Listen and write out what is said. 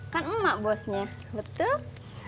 kan emak bosnya betul